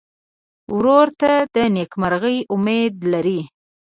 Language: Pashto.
ورور ته د نېکمرغۍ امید لرې.